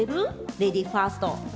レディファースト。